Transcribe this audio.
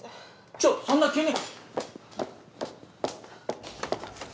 ちょっそんな急に。